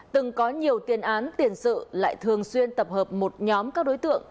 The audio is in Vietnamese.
từng có nhiều tiền án tiền sự lại thường xuyên tập hợp một nhóm các đối tượng